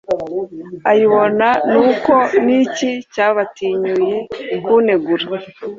ayibona Nuko ni iki cyabatinyuye kunegura